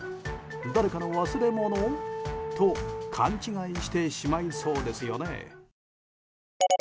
誰かの忘れ物？と勘違いしてしまいそうですよね。